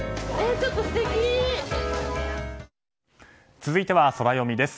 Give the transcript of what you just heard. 続いてはソラよみです。